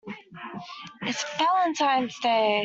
It's Valentine's Day!